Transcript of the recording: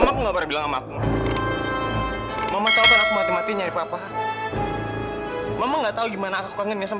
mama sebenarnya tahu dimana papa kamu selama ini rizky